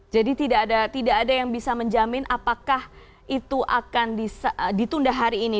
tidak ada yang bisa menjamin apakah itu akan ditunda hari ini